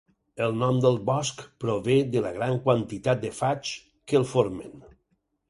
El nom del bosc prové de la gran quantitat de faigs que el formen.